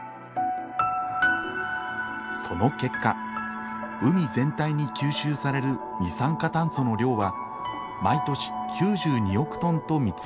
その結果海全体に吸収される二酸化炭素の量は毎年９２億トンと見積もられる。